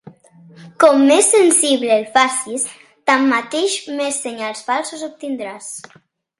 Com més sensible el facis, tanmateix, més senyals falsos obtindràs.